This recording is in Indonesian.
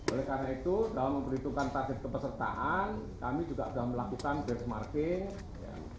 oleh karena itu dalam memperhitungkan target kepesertaan kami juga sudah melakukan benchmarking